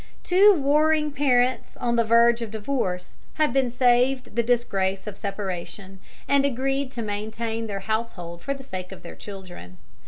"Two warring parents on the verge of divorce have been saved the disgrace of separation and agreed to maintain their household for the sake of their children.